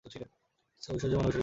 তাছাড়া ঐশ্বর্য মানে ঐশ্বরিক দান।